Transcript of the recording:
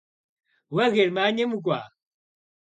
Vue Gêrmaniêm vuk'ua?